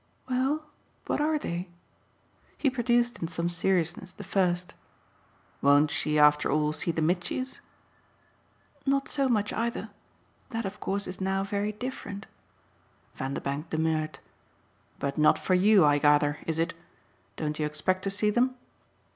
"Well, what are they?" He produced in some seriousness the first. "Won't she after all see the Mitchys?" "Not so much either. That of course is now very different." Vanderbank demurred. "But not for YOU, I gather is it? Don't you expect to see them?"